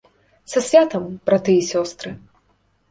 Са святам, браты і сёстры!